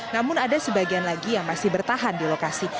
namun ada sebagian lagi yang masih bertahan di lokasi